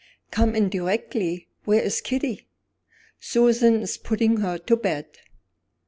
"Come in directly! Where is Kitty?" "Susan is putting her to bed."